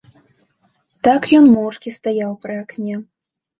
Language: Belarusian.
Так ён моўчкі стаяў пры акне.